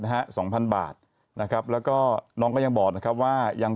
หาเรื่องนี้เลยนะ